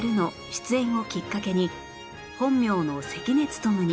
出演をきっかけに本名の関根勤に